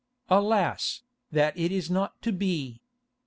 Alas, that is not to be!